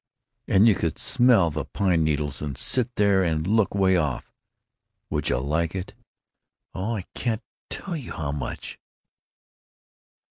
And you could smell the pine needles and sit there and look way off——Would you like it?" "Oh, I can't tell you how much!"